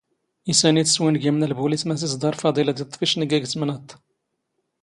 ⵉⵙ ⴰ ⵏⵉⵜ ⵙⵡⵉⵏⴳⵉⵎⵏ ⵍⴱⵓⵍⵉⵙ ⵎⴰⵙ ⵉⵥⴹⴰⵕ ⴼⴰⴹⵉⵍ ⴰⴷ ⵉⵟⵟⴼ ⵉⵛⵏⴳⴰ ⴳ ⵜⵎⵏⴰⴹⵜ.